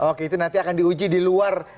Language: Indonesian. oke itu nanti akan diuji di luar